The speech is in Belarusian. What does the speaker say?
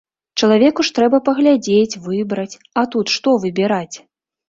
Чалавеку ж трэба паглядзець, выбраць, а тут што выбіраць?